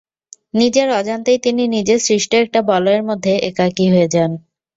নিজের অজান্তেই তিনি নিজের সৃষ্ট একটা বলয়ের মধ্যে একাকী হয়ে যান।